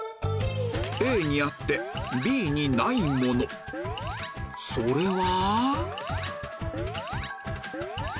ＡにあってＢにないものそれは？